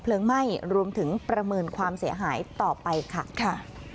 ไหม้รวมถึงประเมินความเสียหายต่อไปค่ะค่ะ